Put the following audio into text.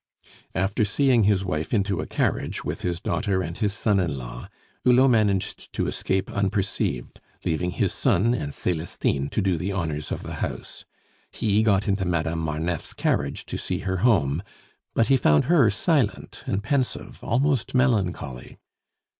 After seeing his wife into a carriage with his daughter and his son in law, Hulot managed to escape unperceived, leaving his son and Celestine to do the honors of the house. He got into Madame Marneffe's carriage to see her home, but he found her silent and pensive, almost melancholy.